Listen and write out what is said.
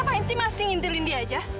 ngapain sih masih ngintilin dia aja